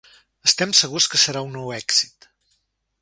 Estem segurs que serà un nou èxit.